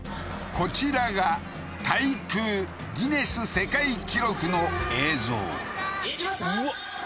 こちらが滞空ギネス世界記録の映像いきました！